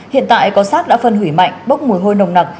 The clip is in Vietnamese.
hiện tại có sát đã phân hủy mạnh bốc mùi hôi nồng nặc